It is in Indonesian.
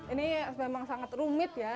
ini memang sangat rumit ya